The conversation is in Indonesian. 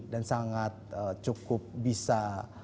dan sangat cukup bisa